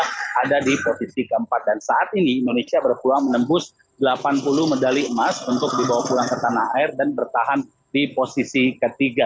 kita ada di posisi keempat dan saat ini indonesia berpeluang menembus delapan puluh medali emas untuk dibawa pulang ke tanah air dan bertahan di posisi ketiga